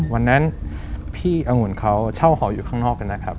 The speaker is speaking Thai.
วันนั้นพี่องุ่นเขาเช่าหออยู่ข้างนอกกันนะครับ